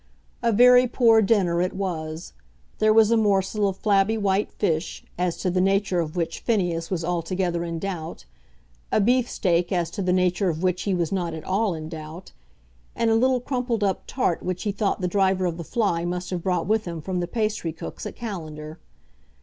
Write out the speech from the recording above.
A very poor dinner it was. There was a morsel of flabby white fish, as to the nature of which Phineas was altogether in doubt, a beef steak as to the nature of which he was not at all in doubt, and a little crumpled up tart which he thought the driver of the fly must have brought with him from the pastry cook's at Callender.